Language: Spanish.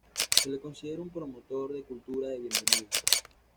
Se le considera un promotor de cultura de bienvenida.